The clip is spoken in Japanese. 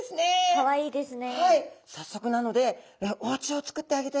かわいいですね。